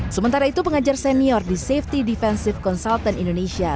sementara itu pengajar senior di safety defensive consultant indonesia